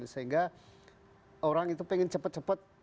sehingga orang itu pengen cepat cepat